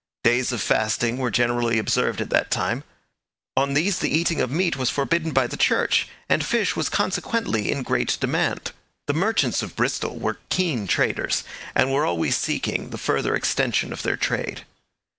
Days of fasting were generally observed at that time; on these the eating of meat was forbidden by the church, and fish was consequently in great demand. The merchants of Bristol were keen traders, and were always seeking the further extension of their trade.